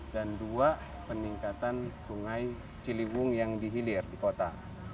dan dua peningkatan sungai ciliwung yang dihilir di kota